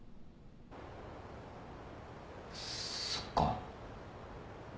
そっか。